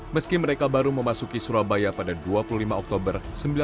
meski mereka baru memasuki surabaya pada dua puluh lima oktober seribu sembilan ratus empat puluh